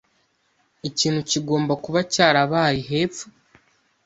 Ikintu kigomba kuba cyarabaye hepfo.